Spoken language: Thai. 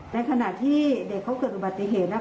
ในขณะที่เด็กเขาเกิดบัติเหตุนะครับ